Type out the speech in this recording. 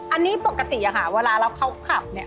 อันนี้ปกติอะค่ะเวลาเราเขาขับเนี่ย